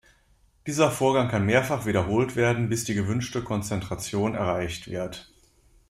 Dieser Vorgang kann mehrfach wiederholt werden, bis die gewünschte Konzentration erreicht wird.